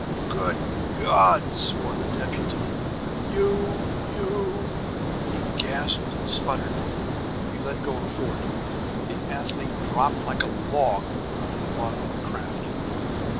"Good God!" swore the deputy. "You you've " He gasped and spluttered; he let go of Fort. The athlete dropped like a log into the bottom of the craft.